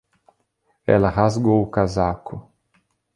Ela rasgou o casaco.